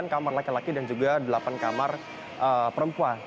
delapan kamar laki laki dan juga delapan kamar perempuan